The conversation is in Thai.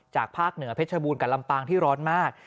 ภาคเหนือเพชรบูรกับลำปางที่ร้อนมาก